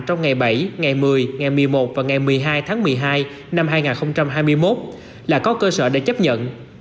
trong ngày bảy ngày một mươi ngày một mươi một và ngày một mươi hai tháng một mươi hai năm hai nghìn hai mươi một là có cơ sở để chấp nhận